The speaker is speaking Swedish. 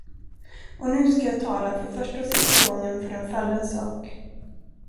Och nu ska jag tala för första och sista gången för en fallen sak.